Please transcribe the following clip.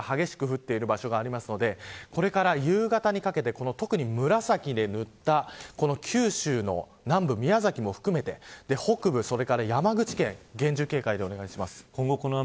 福岡もわりと市街地などで雨が激しく降っている場所があるのでこれから夕方にかけて特に紫で塗った九州の南部、宮崎も含めて北部、それから山口県厳重警戒でお願いします。